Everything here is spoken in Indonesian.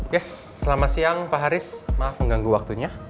yes selamat siang pak haris maaf mengganggu waktunya